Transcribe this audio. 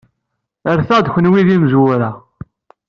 Rret-aɣ-d kenwi d imezwura.